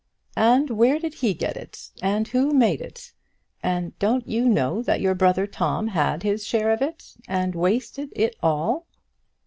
"And where did he get it? And who made it? And don't you know that your brother Tom had his share of it, and wasted it all?